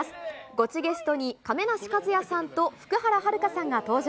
ゴチゲストに亀梨和也さんと福原遥さんが登場。